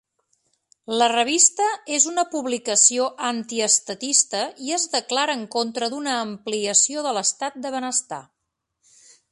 La revista és una publicació antiestatista i es declara en contra d'una ampliació de l'estat de benestar.